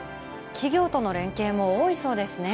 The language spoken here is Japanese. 企業との連携も多いそうですね。